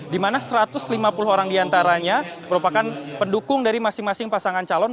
di mana satu ratus lima puluh orang diantaranya merupakan pendukung dari masing masing pasangan calon